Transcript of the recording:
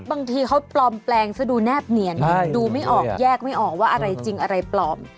บางทีเขาปลอมแปลงซะดูแนบเนียนดูไม่ออกแยกไม่ออกว่าอะไรจริงอะไรปลอม